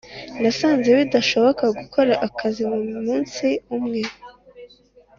nasanze bidashoboka gukora akazi mumunsi umwe